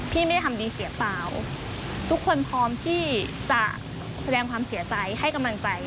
ไม่ได้ทำดีเสียเปล่าทุกคนพร้อมที่จะแสดงความเสียใจให้กำลังใจ